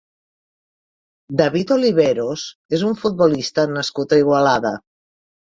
David Oliveros és un futbolista nascut a Igualada.